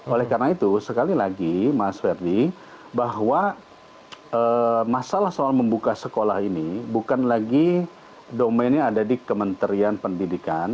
oleh karena itu sekali lagi mas ferdi bahwa masalah soal membuka sekolah ini bukan lagi domainnya ada di kementerian pendidikan